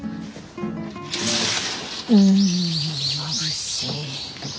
んまぶしい。